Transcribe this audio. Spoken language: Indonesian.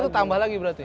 itu tambah lagi berarti